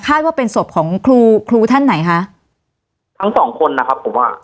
ว่าเป็นศพของครูครูท่านไหนคะทั้งสองคนนะครับผมว่า